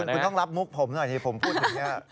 คุณต้องรับมุกผมหน่อยนี่ผมพูดถึงเนี่ย